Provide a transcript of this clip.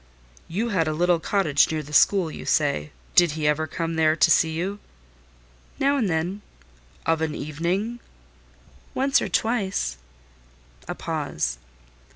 "You had a little cottage near the school, you say: did he ever come there to see you?" "Now and then?" "Of an evening?" "Once or twice." A pause.